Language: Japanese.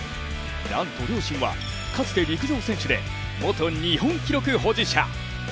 なんと両親はかつて陸上選手で元日本記録保持者。